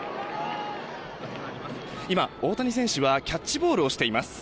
今、大谷選手はキャッチボールをしています。